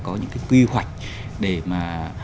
có những cái quy hoạch để mà